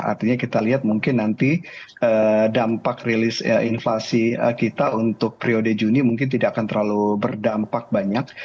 artinya kita lihat mungkin nanti dampak rilis inflasi kita untuk periode juni mungkin tidak akan terlalu berdampak banyak